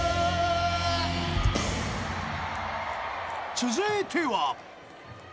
［続いては］